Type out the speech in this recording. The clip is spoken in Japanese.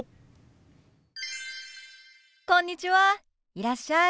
いらっしゃい。